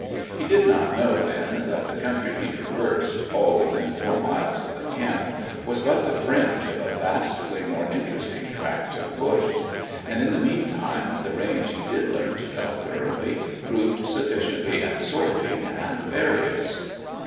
He did not know then that the country he traversed, all within four miles of the camp, was but the fringe of a vastly more interesting tract of bush; and in the meantime the range he did learn to know thoroughly proved sufficiently absorbing and various.